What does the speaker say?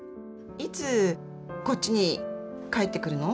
いつこっちに帰ってくるの？